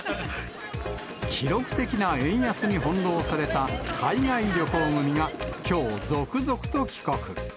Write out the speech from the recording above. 記録的な円安に翻弄された海外旅行組がきょう、続々と帰国。